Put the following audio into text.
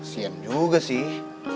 sian juga sih